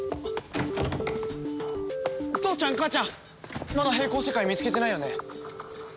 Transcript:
父ちゃん母ちゃんまだ並行世界見つけてないよね？